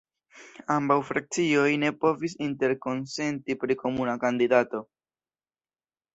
Ambaŭ frakcioj ne povis interkonsenti pri komuna kandidato.